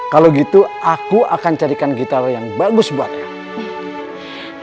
kalau gitu aku akan carikan gitar yang bagus buatnya